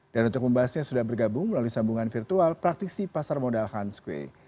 dan untuk membahasnya sudah bergabung melalui sambungan virtual praktisi pasar modal hans kueh